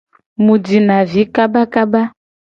Mu jina vi kabakaba.